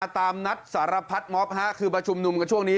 ตามนัดสารพัดม็อบคือมาชุมนุมกันช่วงนี้